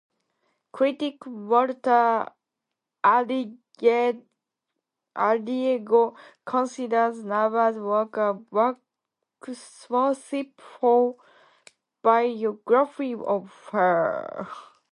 Critic Walter Addiego considers Nava's work a worshipful biography of her.